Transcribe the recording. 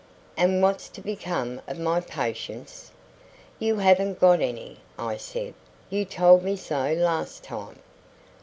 "And what's to become of my patients?" "You haven't got any," I said. "You told me so last time."